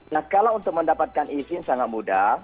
nah kalau untuk mendapatkan izin sangat mudah